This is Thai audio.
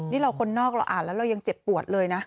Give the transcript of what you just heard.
นี่เราคนนอกเราอ่านแล้วเรายังเจ็บปวดเลยนะ